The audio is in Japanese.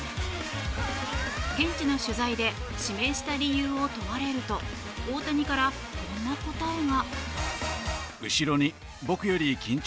現地の取材で指名した理由を問われると大谷から、こんな答えが。